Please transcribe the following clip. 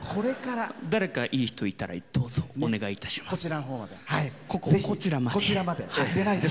誰か、いい人いたらどうぞ、お願いいたします。